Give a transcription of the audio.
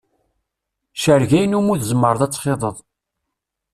Cerreg ayen umi tzemreḍ ad t-txiḍeḍ.